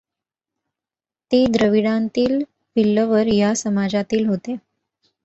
ते द्रविडांतील विल्लवर या समाजातील होते.